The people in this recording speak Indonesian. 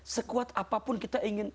sekuat apapun kita ingin